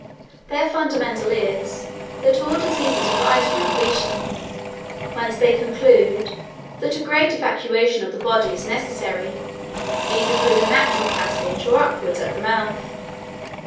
"Their fundamental is, that all diseases arise from repletion; whence they conclude, that a great evacuation of the body is necessary, either through the natural passage or upwards at the mouth.